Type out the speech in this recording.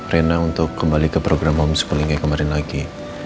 rina untuk kembali ke program homeschoolingnya kemarin lagi